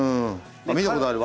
見たことある。